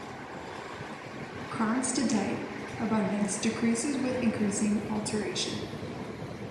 Cronstedtite abundance decreases with increasing alteration.